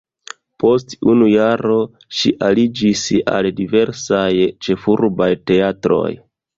Post unu jaro ŝi aliĝis al diversaj ĉefurbaj teatroj.